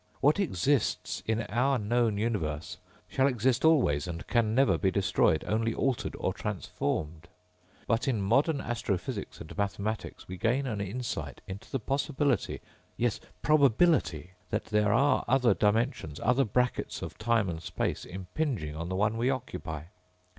What exists in our known universe shall exist always and can never be destroyed, only altered or transformed._ _But in modern astrophysics and mathematics we gain an insight into the possibility ... yes probability ... that there are other dimensions, other brackets of time and space impinging on the one we occupy.